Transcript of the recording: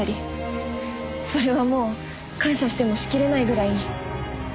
それはもう感謝してもしきれないぐらいに。